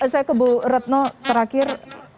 saya ke bu retno terakhir